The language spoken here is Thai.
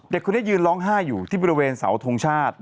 เด็กคนนี้ยืนร้องไห้อยู่ที่บริเวณเสาทงชาติ